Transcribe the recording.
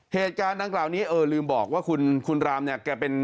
เหตุการณ์ดังกล่าวนี้เออลืมบอกว่าคุณรามเนี่ยแกเป็น